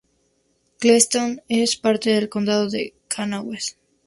Charleston es parte del condado de Kanawha.